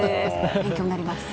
勉強になります。